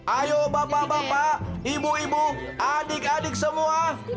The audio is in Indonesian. ayo bapak bapak ibu ibu adik adik semua